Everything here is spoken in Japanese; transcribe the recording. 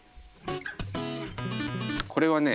これはね。